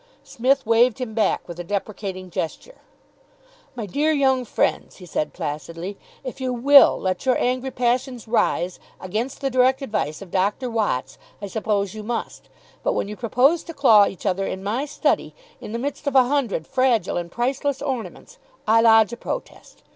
Psmith waved him back with a deprecating gesture. "My dear young friends," he said placidly, "if you will let your angry passions rise, against the direct advice of Doctor Watts, I suppose you must, But when you propose to claw each other in my study, in the midst of a hundred fragile and priceless ornaments, I lodge a protest.